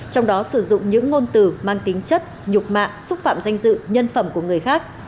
trong đó sử dụng những ngôn từ mang tính chất nhục mạ xúc phạm danh dự nhân phẩm của người khác